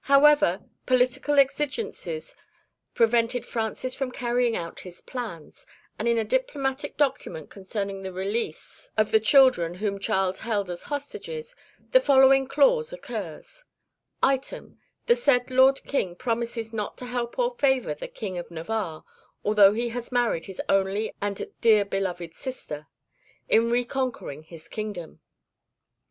However, political exigencies prevented Francis from carrying out his plans, and in a diplomatic document concerning the release of the children whom Charles held as hostages the following clause occurs: "Item, the said Lord King promises not to help or favour the King of Navarre (although he has married his only and dear beloved sister) in reconquering his kingdom."